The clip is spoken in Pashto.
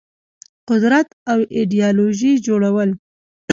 قدرت او ایدیالوژيو جوړول